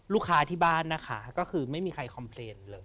ที่บ้านนะคะก็คือไม่มีใครคอมเพลนเลย